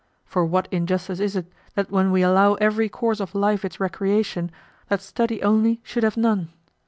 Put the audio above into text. For what injustice is it that when we allow every course of life its recreation, that study only should have none?